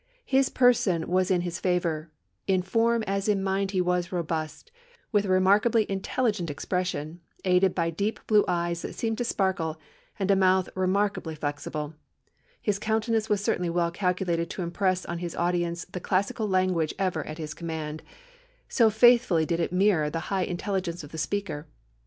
His person was in his favour; in form as in mind he was robust, with a remarkably intelligent expression, aided by deep blue eyes that seemed to sparkle, and a mouth remarkably flexible. His countenance was certainly well calculated to impress on his audience the classical language ever at his command so faithfully did it mirror the high intelligence of the speaker....